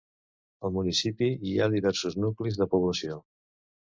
Al municipi hi ha diversos nuclis de població.